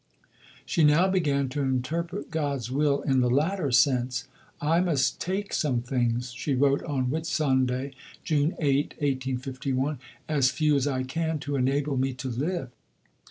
She now began to interpret God's will in the latter sense. "I must take some things," she wrote on Whitsunday (June 8, 1851), "as few as I can, to enable me to live.